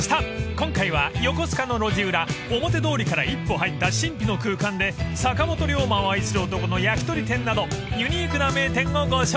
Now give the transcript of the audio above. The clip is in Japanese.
今回は横須賀の路地裏表通りから一歩入った神秘の空間で坂本龍馬を愛する男の焼き鳥店などユニークな名店をご紹介］